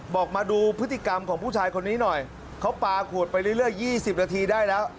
มาดูพฤติกรรมของผู้ชายคนนี้หน่อยเขาปลาขวดไปเรื่อย๒๐นาทีได้แล้ว